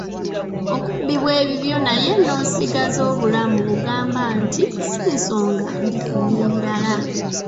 Okubbibwa ebibyo naye n’osigaza obulamu ogamba nti si nsonga ndifuna ebirala.